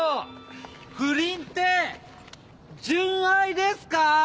不倫って純愛ですか⁉